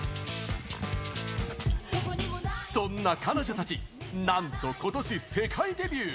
そんな彼女たちなんと今年世界デビュー！